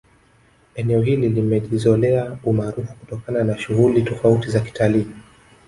Eneo hili limejizolea umaarufu kutokana na shughuli tofauti za kitalii